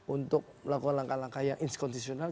untuk melakukan langkah langkah yang inskonstitusional